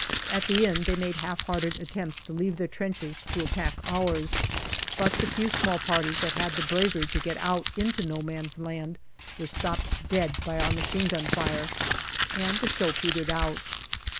At the end they made half hearted attempts to leave their trenches to attack ours, but the few small parties that had the bravery to get out into No man's land were stopped dead by our machine gun fire, and the show petered out.